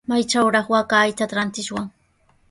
¿Maytrawraq waaka aychata rantishwan?